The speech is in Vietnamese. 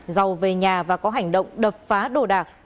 dầu về nhà và có hành động đập phá đồ đạc